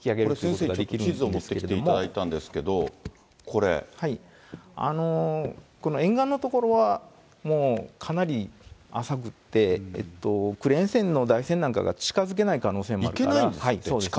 先生、ちょっと地図を持ってきていただいたんですけども、ここの沿岸の所は、かなり浅くって、クレーン船の台船なんかが近づけない可能性もあるので。